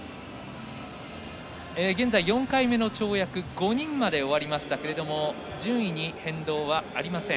現在、４回目の跳躍が５人まで終わりましたが順位に変動はありません。